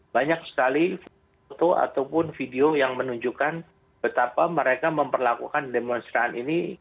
banyak sekali foto ataupun video yang menunjukkan betapa mereka memperlakukan demonstran ini